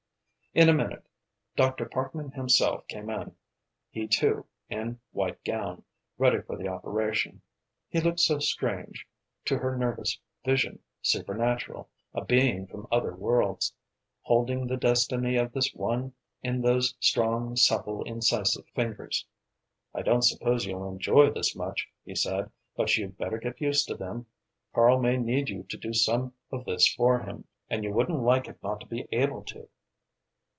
In a minute, Dr. Parkman himself came in, he, too, in white gown, ready for the operation. He looked so strange; to her nervous vision, supernatural, a being from other worlds, holding the destiny of this one in those strong, supple, incisive fingers. "I don't suppose you'll enjoy this much," he said, "but you'd better get used to them. Karl may need you to do some of this for him, and you wouldn't like it not to be able to."